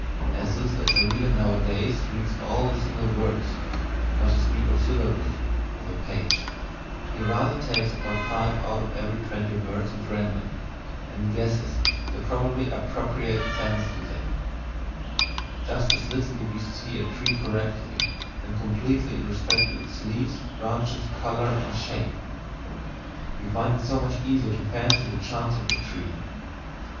As little as a reader nowadays reads all the single words (not to speak of syllables) of a page he rather takes about five out of every twenty words at random, and "guesses" the probably appropriate sense to them just as little do we see a tree correctly and completely in respect to its leaves, branches, colour, and shape; we find it so much easier to fancy the chance of a tree.